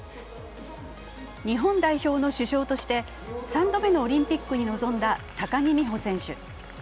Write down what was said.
日本代表の主将として３度目のオリンピックに臨んだ高木美帆選手。